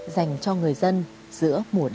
dành cho người dân giữa mùa đại dịch